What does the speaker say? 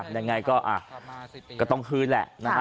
ยังไงก็ต้องคืนแหละนะฮะ